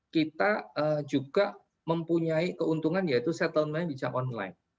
kita juga mempunyai keuntungan yaitu settlement bisa online